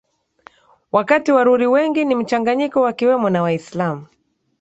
wakati Waruri wengi ni mchanganyiko wakiwemo na Waislamu